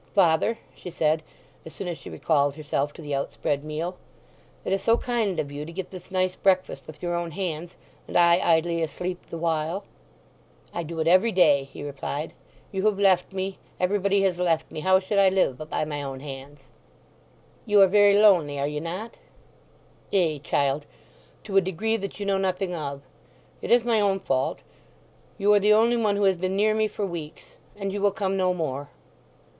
"Father," she said, as soon as she recalled herself to the outspread meal, "it is so kind of you to get this nice breakfast with your own hands, and I idly asleep the while." "I do it every day," he replied. "You have left me; everybody has left me; how should I live but by my own hands." "You are very lonely, are you not?" "Ay, child—to a degree that you know nothing of! It is my own fault. You are the only one who has been near me for weeks. And you will come no more."